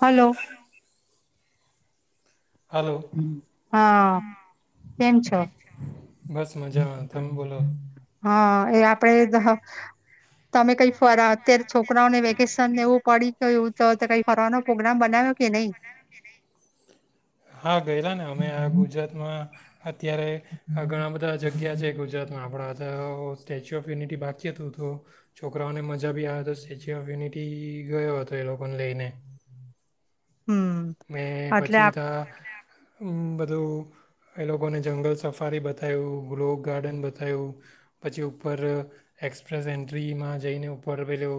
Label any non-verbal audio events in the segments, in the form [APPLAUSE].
Hello. Hello, હા કેમ છો. બસ મજામાં. તમે બોલો? હા એ આપડે તમે કઈ ફર અત્યાર છોકરાઓને વેકેશન નેવ તો તો કઈ ફરવાનો પ્રોગ્રામ બનાવ્યો કે નહીં. હા ગયેલા ને અમે આ ગુજરાતમાં. અત્યારે આ ઘણા બધા જગ્યા છે ગુજરાતમાં આપણા તો. સ્ટેચ્યુ ઓફ યુનિટી બાકીતું તો છોકરાઓને મજા બી આ તો સ્ટેચ્યુ ઓફ યુનિટી ગયો હતો એ લોકોને લઈને. હમ મે એટલે પછી ત. બધું એ લોકોને જંગલ સફારી બતાયુ લો ગાર્ડન બતાયું પછી ઉપર એક્સપ્રેસ એન્ટ્રીમાં જઈને ઉપર પેલું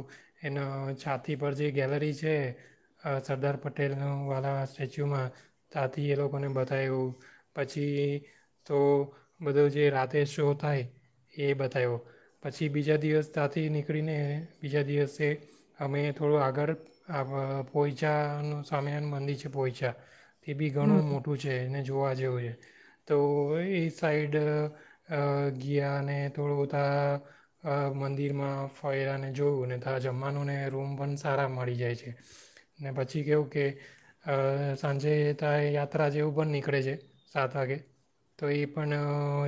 એના છાતી પર જે ગેલરી છે અ સરદાર પટેલ. વાળા સ્ટેચ્યુમાં ત્યાથી એ લોકોને બતાવ્યું પછી તો બધો જે રાતે શો થાય એ બતાવ્યો પછી બીજા દિવસ ત્યાાથી નીકળીને બીજા દિવસે અમે થોડું આગળ પોહોંચાનું. સ્વામ્યાન મંદીર છે પોયચા તે બી હમ ઘણું મોટું છે એને જોવા જેવું છે. તો એ સાઈડ ગયાને થોડું બધા મંદિરમાં ફર્યાને જોયું ને ત જમવાનુંને રૂમ પણ સારા મળી જાય છે ને પછી કેવું. કે સાંજે ત યાત્રા જેવું પન નીકળે છે સાત વાગે તો એ પણ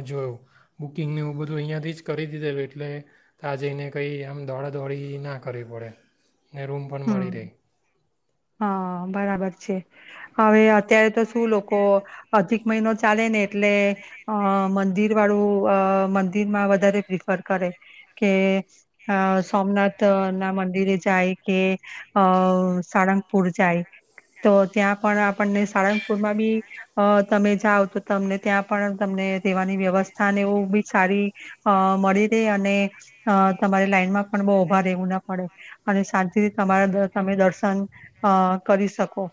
જોયું બુકિંગને એવું બધું અહીંયાથી જ કરી દીધેું એટલે ત્યાં જઈને કંઈ આમ દોડા દોડી ના કરવી પડે ને રૂમ પણ મળી રહે. હમ હા બરાબર છે હવે અત્યારે તો શું લોકો અધિક મહિનો ચાલે ને એટલે અ મંદિર વાળું અ મંદિરમાં વધારે પ્રિફર કરે કે અ સોમનાથ ના મંદિરે જાય કે અ સાારંગ. ુર જાય તો ત્યાં પણ આપણને સારંગપુરમાં બી અ તમે જાઓ તો તમને ત્યાં પણ તમને રહેેવાની વ્યવસ્થા ને એવું બી સારી અ મળી રહેે અને તમારે લાઈનમાં પણ બહુ ઊભા રહેવું ના પડે અને શાંતિથી તમારા તમે દર્શન. અ કરી શકો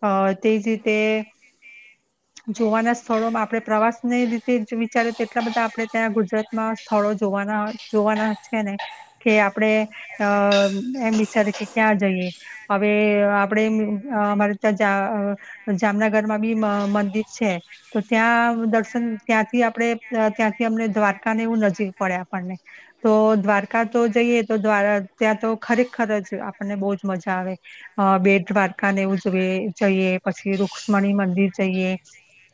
અ તેજ રીતે જોવાના સ્થળોમાં આપણેે પ્રવાસને રીતે વિચારી તો એટલા બધા આપણે ત્યાં ગુજરાતમાં સ્થળો જોવાના જોવાના છે ને કે આપણેે અ એમ વિચારી કે ક્યાં જઈએ. હવે આપડે અમારે ત્યાં જામનગરમાં બી મંદિર છે તો ત્યાં દર્શન ત્યાંથી આપણે ત્યાંથી અમને દ્વારકાને એવું નજીક પડે આપણને તો દ્વારકા તો જઈએ તો્વા ત્યાં તો ખરેખર જ આપણને બહુ જ મજા આવે. અ બેટ દ્વારકા નેવ ઉ જોએ જઈએ પછી રુક્ષ્મણી મંદિર જઈએ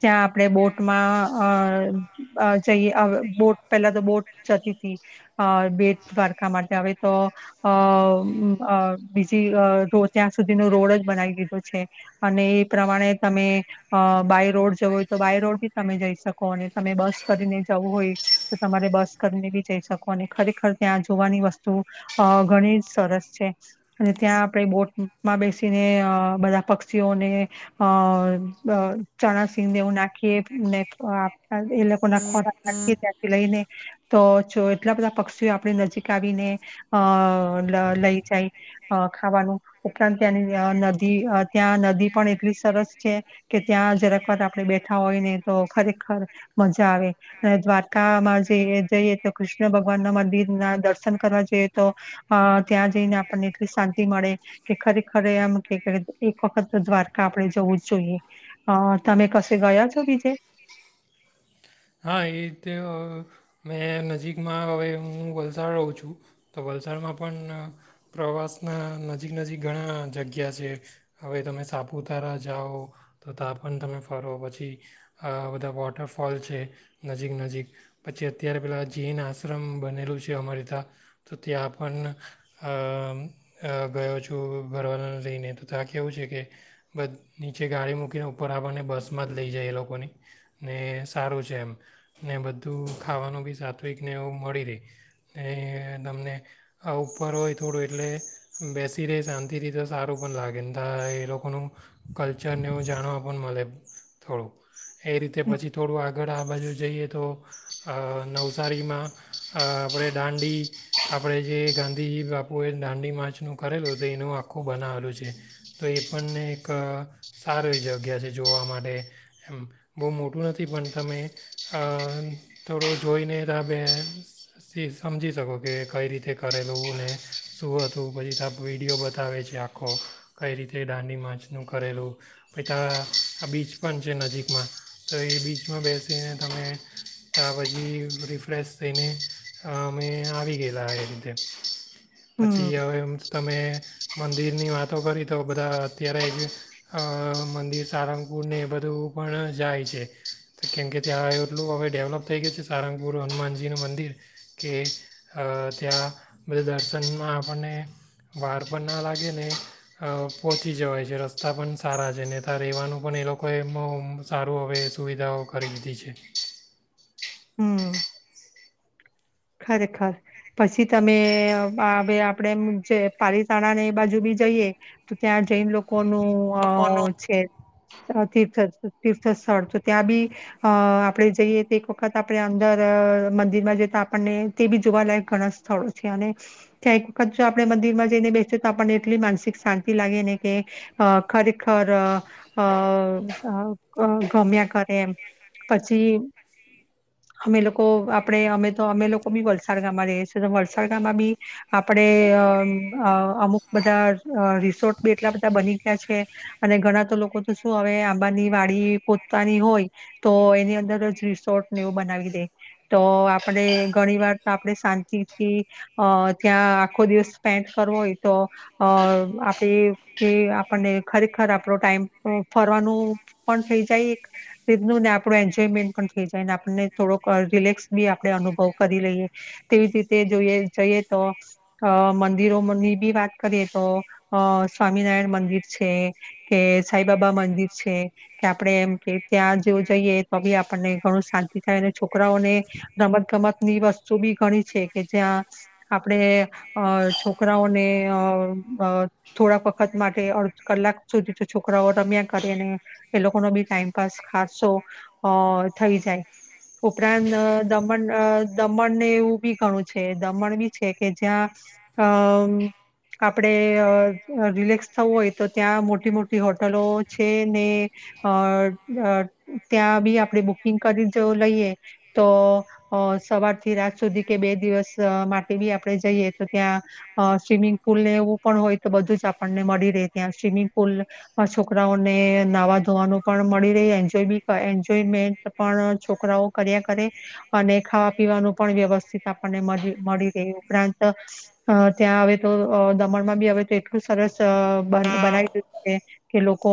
ત્યાં આપણે બોટમાં અ જઈએ બોટ પેલા તો બોટ જતી તી બેટ દ્વારકા માટે હવે તો અ બીજી. તો ત્યાં સુધીનો રોડ જ બનાવી દીધો છે અને એ પ્રમાણે તમે અ બાય રોડ જવો હોય તો બાય રોડ બી તમે જઈ શકો અને તમે બસ કરીને જવું હોય તો તમારે બસ કરીને બી જઈ શકો અને ખરેખર ત્યાં જોવાની વસ્તુ અ ઘણી જ સરસ છે અને ત્યાં આપણે બોટ. માં બેસીને અ બધા પક્ષીઓને અ ચણા સિંધ ને એવું નાખીએ. ને એ લોકો ના ખોરા નાખી ત્યાંથી લઈ ને. તો જો એટલા બધા પક્ષીઓ આપણે નજીક આવીને અ લઈ જાય અ ખાવાનું. ઉપરાંત ત્યાંની નદી ત્યાં નદી પણ એટલી સરસ છે કે ત્યાં જરકવાર આપણે બેઠા હોય ને તો ખરેખર મજા આવે અને દ્વારકામાં જ જઈએ તો કૃષ્ણ ભગવાન ના મંદિર ના દર્શન કરવા જઈએ તો અ ત્યાં જઈને આપણને એટલી શાંતિ મળે. કે ખરેખર એમ કે એક વખત દ્વારકા આપણેે જવું જ જોઈએ અ તમે કશે ગયા છો બીજે. હા એ રીતે મેં નજીકમાં હવે હું વલસાડ રહું છું તો વલસાડમાં પણ પ્રવાસના નજીક નજીક ઘણા જગ્યા છે હવે તમે સાપુતારા જાઓ તો ત્યાં પણ તમે ફરો પછી બધા વોટરફોલ છે. નજીક નજીક પછી અત્યારે પેલા જૈન આશ્રમ બનેલું છે અમારી ત્યાં તો ત્યાં પણ અ અ ગયો છું ભરવાના લઈને તો ત્યાં કેવું છે કે બધ નીચે ગાડી મૂકીને ઉપર આપણને બસમાં જ લઈ જાય એ લોકોની ને સારું છે એમ. ને બધું ખાવાનું બી સાત્વિક ને એવું મળી રહે ને તમને આ ઉપર હોય થોડું એટલે બેસી રહેે શાંતિથી તો સારું પણ લાગેને એ લોકોનું કલ્ચરને એવું જાણવા પણ મળે થોડું. એ રીતે હમ પછી થોડું આગળ આવે. આ બાજુ જઈએ તો નવસારીમાં આપણે દાંડી આપણે જે ગાંધીજી બાપુએ દાંડી માચનું કરેલું તો એનું આખું બનાવેલું છે તો એ પણને એક સારી જગ્યા છે જોવા માટે એમ બહુ મોટું નથી પણ તમે. હ. થોડો જોઈને તમે સમજી શકો કે કઈ રીતે કરેલું ને શું હતું પછી ત વિડીયો બતાવે છે આખો કઈ રીતે દાંડી માર્યનું કરેલું પછ તા બીચ પણ છે નજીકમાં તો એ બીચમાં બેસે તેમે ત્યા પછી રિફ્રેશ થઈને અમે આવી ગયેલા એ રીતે પછી હમ હવે એમ તમે મંદિરની વાતો કરી તો બધા અત્યારે એક અ મંદિર ત્યાં એટલું હવે ડેવલપ થઈ ગયું છે સારંગપુર હનુમાનજીનું મંદિર કે અ ત્યાં બધા દર્શનમાં આપણને વાર પણ ના લાગે ને પહોંચી જવાય છે રસ્તા પણ સારા છે ને ત્યાં રહેવાનું પણ એ લોકોએ સારું હવે સુવિધાઓ કરી દીધી છે. [INAUDIBLE] હમ ખરેખર પછી તમે હવે આપડે એમ જે પાલીતાણા ને એ બાજુ બી જઈએ તો ત્યાં જઈને લોકો કોનું છે. તાર્થી તીર્થ તીર્થ સ્થળ તો ત્યાં બી અ આપડે જઈએ તો એક વખત આપણે અંદર મંદિર માં જય તો આપ અને તે બી જોવાલાયક ઘણા સ્થળો છે અને ત્યાં એક વખત જો આપણે મંદિરમાં જઈને બેસીએ તો આપણને એટલી માનસિક શાંતિ લાગે ને કે ખરેખર અ ગમ્યા કરે એમ પછી અમે લોકો આપણે અમે તો અમે લોકો બી વલસાડ ગામમાં ર છે તો વલસાડ ગામમાં બી આપડે અમુક બધા રિસોર્ટ બી એટલા બધા બની ગયા છે અને ઘણા તો લોકો તો શું હવે આંબાની વાડી પોતતાની હોય તો એની અંદર જ રિસોર્ટને એવું બનાવી દે તો આપણે ઘણી વાર તો આપણે શાંતિથી અ ત્યાં આખો દિવસ સ્પેન્ડ કરવો હોય તો અ આપે આપણને ખરેખર આપણો ટાઈમ ફરવાનું પણ થઈ જાય એક રીતનું ને આપણું એન્જોયમેન્ટ પણ થઈ જાય ને આપણને થોડોક રિલેક્સ બી આપ અનુભવ કરી લઈએ તેવી રીતે જોઈએ જઈએ તો અ મંદિરોની બી વાત કરીએ તો અ સ્વામિનારાયણ મંદિર છે, કે સાઈબબા મંદિર છે, કે આપડણે એમ કે ત્યાં જેવ જઈએ તો બી આપણને ઘણું શાંતિ થાય અને છોકરાઓને કમર ની વસ્તુ બી ગણી છે કે જ્યાં આપણે અ છોકરાઓને અ થોડાક વખત માટે અડધ કલાક સુધી તો છોકરાઓ રમ્યા કરીને એ લોકોનો બી ટાઈમપાસ ખર્સો અ થઈ જાય ઉપરાંત અ દમણ ને એવું બી ઘણું છે દમણ બી છે કે જ્યાં અ આપડે રિલેક્સ થવું હોય તો ત્યાં મોટી મોટી હોટલો છે ને અ ત્યાં બી આપણે બુકિંગ કરી લઈએ તો અ સવાર થી રાત સુધી કે બે દિવસ માટે બી આપડણે જઈએ તો ત્યાં સ્વિમિંગ પુલ ને એવું પણ હોય તો બધું જ આપણને મળી રહે ત્યાં સ્વિમિંગ પુલમાં છોકરાઓને નાહવા ધોવાનું પણ મળી રહે એન્જોય બી એન્જોયમેન્ટ પણ છોકરાઓ કર્યા કરે. અને ખાવા પીવાનું પણ વ્યવસ્થિત આપણને મ ઉપરાંત ત્યાં હવે તો દમણમાં બી હવે તો એટલું સરસ બનાવીય કે લોકો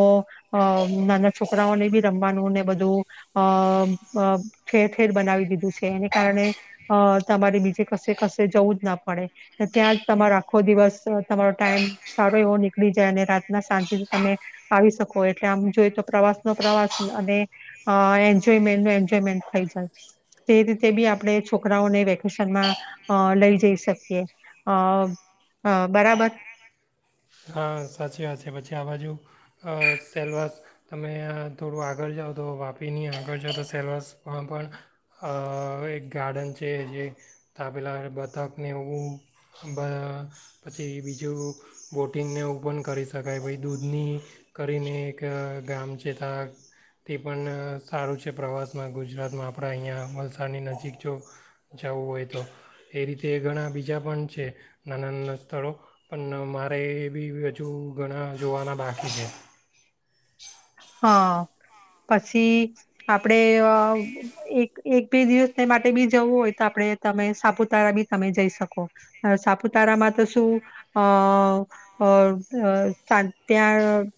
નાના છોકરાઓને બી રમવાનું ને બધું અ ઠેર ઠેર બનાવી દીધું છે. એને કારણે અ તમારે બીજે કશે કશે જવું જ ના પડે. ત્યાં જ તમારો આખો દિવસ તમારો ટાઈમ સારો એવો નીકળી જાય અને રાતના સાંજથી તમે આવી શકો એટલે આમ જોઈ તો પ્રવાસ નો પ્રવાસ અને અ એન્જોયમેન્ટ ન એન્જોયમેન્ટ થઈ જાય. તે રીતે બી આપણે છોકરાઓને વેકેશનમાં લઈ જઈ શકીએ અ બરાબર. હા સાચી વાત છે પછી આ બાજુ સેલવાસ તમે થોડું આગળ જાઓ તો વાપીની આગળ જાઓ તો સેલવાસ પણ પણ હવે એક ગાર્ડન છે જે તાપેલા બથકને એવું [UNINTELLIGIBLE] પછી બીજું વોટિંગને એવું પણ કરી શકાય ભાઈ દૂધની કરીને એક ગામ છે ત તે પણ સારું છે પ્રવાસમાં ગુજરાતમાં આપણા અહીંયા વલસાડની નજીક જો જવું હોય તો એ રીતે ઘણા બીજા પણ છે નાના નાના સ્થળો પણ મારા એ એ બી હજુ ઘણા જોવાના બાકી છે. હા પછી આપણેે એક એક બે દિવસ માટે બી જવું હોય તો આપણે તમે સાપુતારા બી તમે જઈ શકો સાપુતારામાં તો શું અ ત્યાં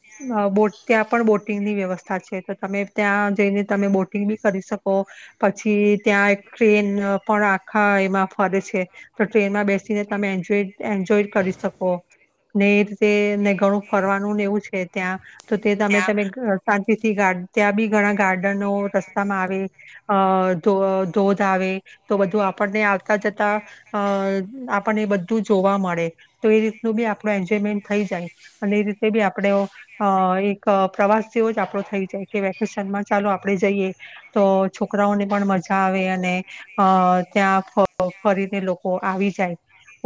બોટ ત્યાં પણ બોટ બોટિંગની વ્યવસ્થા છે તો તમે ત્યાં જઈને તમે બોટિંગ બી કરી શકો પછી ત્યાં એક ટ્રેન પણ આખા એમાં ફરે છે તો ટ્રેનમાં બેસીને તમે એન્જ એન્જોય કરી શકો ને એીતે ને ઘણું ફરવાનુંને એવું છે ત્યાં તો તે તમે તમે શાંતિથી ગાર્ડ ત્યાં બી ઘણા ગાર્ડનો રસ્તામાં આવે અ ધ ધોધ આવે તો બધું આપણને આવતા જતા અ આપણને બધું જોવા મળે તો એ રીતનું બી આપણું એન્જોયમેન્ટ થઈ જાય અને એ રીતે બી આપણે અ એક પ્રવાસ તેવો જ આપડો થઈ જાય કે વેકેશનમાં ચાલો આપડણે જઈએ તો છોકરાઓને પણ મજા આવે અને અ ત્યાં ફ ફરીને લોકો આવી જાય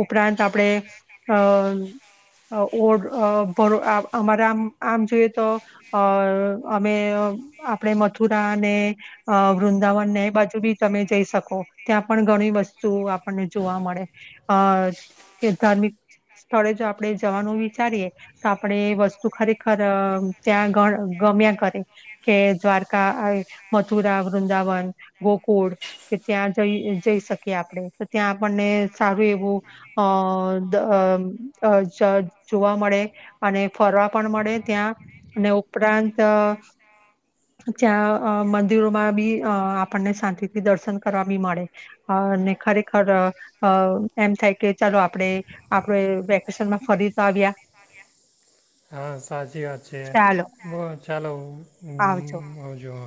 ઉપરાંત આપડે અ ઓ અ અ અમારા આમ આમ જોઈએ તો અ અમે આપણે મથુરા ને અ વૃંદાવનને એ બાજુ બી તમે જઈ શકો ત્યાં પણ ઘણી વસ્તુ આપણને જોવા મળે અ કે ધાર્મિક સ્થળે જો આપણે જવાનું વિચારીએ તો આપણે વસ્તુ ખરેખર ત્યાં ગમ્યા કરે કે દ્વારકા મથુરા વૃંદાવન ગોકુળ કે ત્યાં જઈ જઈ શકીએ આપણે તો ત્યાં આપણને સારું એવું અ જોવા મળે અને ફરવા પણ મળે ત્યાં અને ઉપરાંત ત્યાં મંદિરોમાં બી આપણને શાંતિથી દર્શન કરવાભી મળે અને ખરેખર અહ એમ થાય કે ચાલો આપણેે આપડ વેકેશનમાં ફરી તો આવ્યા. હા સાચી વાત છે ચાલો બ ચાલો આવજો. હમ્મ અવાજો હ